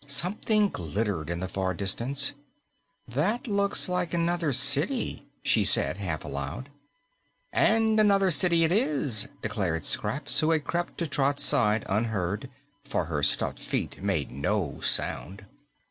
Something glittered in the far distance. "That looks like another city," she said half aloud. "And another city it is," declared Scraps, who had crept to Trot's side unheard, for her stuffed feet made no sound.